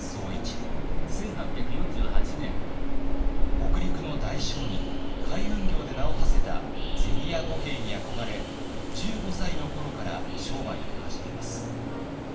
北陸の大商人海運業で名をはせた銭屋五兵衛に憧れ１５歳の頃から商売を始めます。